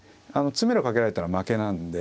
詰めろかけられたら負けなんで。